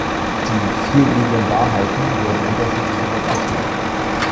Die "Vier edlen Wahrheiten" werden unterschiedlich interpretiert.